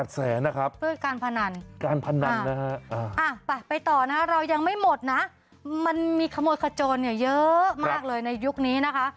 ๘แสนนะครับด้วยการพนันไปต่อนะเรายังไม่หมดนะมันมีขโมชขโจนเยอะมากเลยในยุคนี้นะคะ